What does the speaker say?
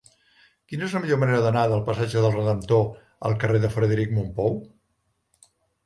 Quina és la millor manera d'anar del passatge del Redemptor al carrer de Frederic Mompou?